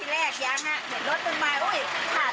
เห็นรถมือมาโหน่ย